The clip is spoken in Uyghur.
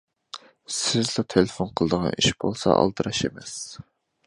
سىزلا تېلېفون قىلىدىغان ئىش بولسا ئالدىراش ئەمەس!